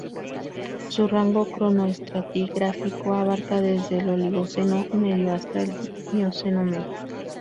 Su rango cronoestratigráfico abarca desde el Oligoceno medio hasta el Mioceno medio.